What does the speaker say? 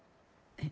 えっ。